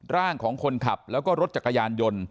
ร่างของคนขับแล้วก็รถจักรยานยนต์